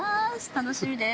楽しみです。